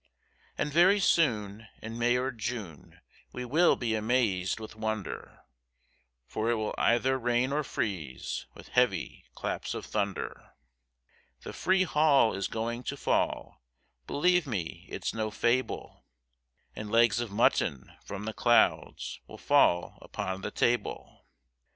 And very soon, in May or June, we will be amaz'd with wonder, For it will either rain or freeze, with heavy claps of thunder, The free hall is going to fall, believe me it's no fable, And legs of mutton from the clouds will fall upon the table.